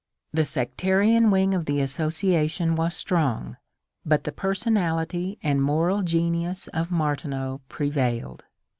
The sectarian wing of the associa tion was strong, but the personality and moral genius of Martineau prevailed.